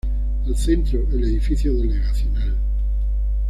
Al centro, el edificio delegacional.